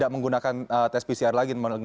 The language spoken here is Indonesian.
menggunakan tes pcr lagi